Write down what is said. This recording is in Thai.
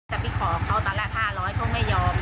แต่พี่ขอเขาตลาด๕๐๐เขาไม่ยอม